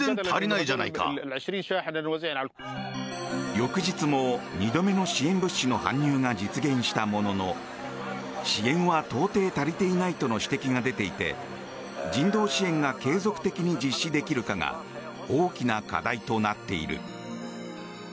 翌日も２度目の支援物資の搬入が実現したものの支援は到底足りていないとの指摘が出ていて人道支援が継続的に実施できるかが大きな課題となっている。